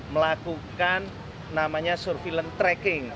melakukan namanya surveillance tracking